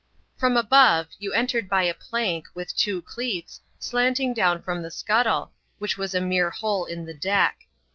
From above, you entered by a plank, with two elects, slanting down from the scuttle, which was a mere hole in the deck.